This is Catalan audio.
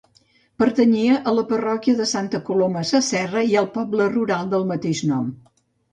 Pertanyia a la parròquia de Santa Coloma Sasserra i al poble rural del mateix nom.